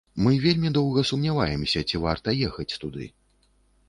Мы вельмі доўга сумняваемся, ці варта ехаць туды.